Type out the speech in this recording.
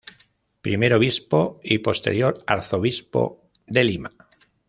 Primer obispo y posterior Arzobispo de Lima.